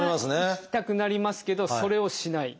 いきたくなりますけどそれをしない。